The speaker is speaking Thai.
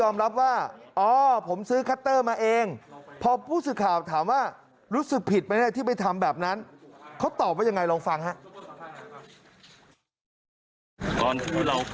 มาเองพอผู้สื่อข่าวถามว่ารู้สึกผิดไหมที่ไปทำแบบนั้นเขาตอบว่ายังไงลองฟังครับ